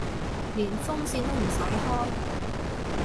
連風扇都唔使開